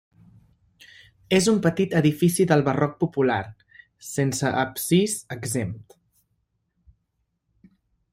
És un petit edifici del barroc popular, sense absis exempt.